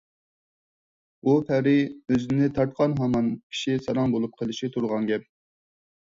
ئۇ پەرى ئۆزىنى تارتقان ھامان كىشى ساراڭ بولۇپ قېلىشى تۇرغان گەپ.